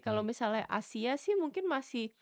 kalo misalnya asia sih mungkin masih